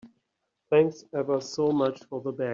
Thanks ever so much for the bag.